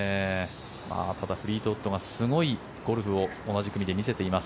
ただフリートウッドがすごいゴルフを同じ組で見せています